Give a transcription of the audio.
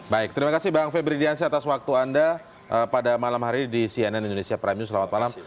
baik terima kasih bang febri diansyah atas waktu anda pada malam hari di cnn indonesia prime news selamat malam